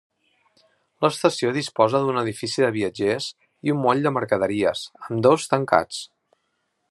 L'estació disposa d'un edifici de viatgers i un moll de mercaderies, ambdós tancats.